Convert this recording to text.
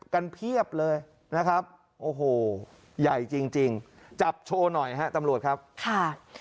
เพียบเลยนะครับโอ้โหใหญ่จริงจริงจับโชว์หน่อยฮะตำรวจครับค่ะ